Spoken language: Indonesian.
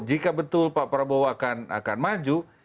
jika betul pak prabowo akan maju